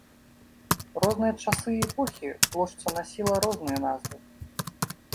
У розныя часы і эпохі плошча насіла розныя назвы.